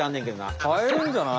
かえるんじゃない？